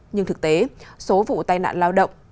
nhưng thực tế số vụ tai nạn lao động